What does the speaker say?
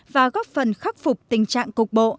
và góp phần khắc phục tình trạng cục bộ